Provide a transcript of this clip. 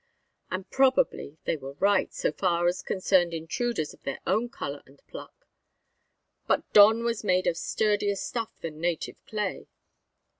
And probably they were right so far as concerned intruders of their own colour and pluck; but Don was made of sturdier stuff than native clay.